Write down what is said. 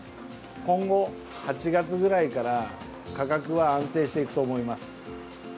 今後、８月ぐらいから価格は安定していくと思います。